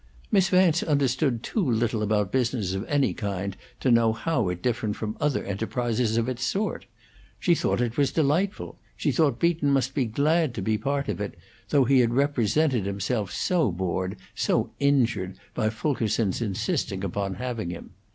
Miss Vance understood too little about business of any kind to know how it differed from other enterprises of its sort. She thought it was delightful; she thought Beaton must be glad to be part of it, though he had represented himself so bored, so injured, by Fulkerson's insisting upon having him.